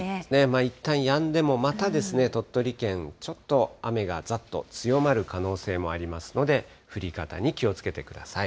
いったんやんでも、またですね、鳥取県、ちょっと雨がざっと強まる可能性もありますので、降り方に気をつけてください。